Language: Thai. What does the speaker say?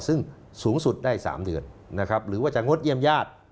ซึ่งสูงสุดได้๓เดือนนะครับหรือว่าจะงดเยี่ยมญาติ